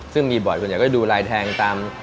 ซึ่งมีบ่อยส่วนใหญ่ก็ดูลายแทงตาม